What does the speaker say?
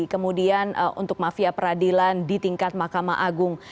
kemudian untuk mafia peradilan di tingkat mahkamah agung